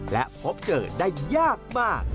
และพบเจอได้ยากมาก